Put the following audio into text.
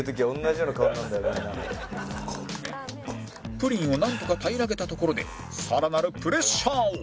プリンをなんとか平らげたところでさらなるプレッシャーを